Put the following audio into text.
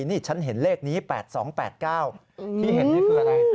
นี่ฉันเห็นเลขนี้๘๒๘๙ที่เห็นนี่คืออะไร